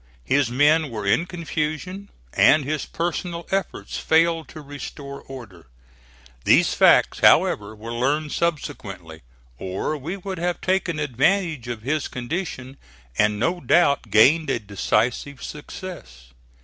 His men were in confusion, and his personal efforts failed to restore order. These facts, however, were learned subsequently, or we would have taken advantage of his condition and no doubt gained a decisive success.